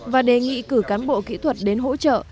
và đề nghị cử cán bộ kỹ thuật đến hỗ trợ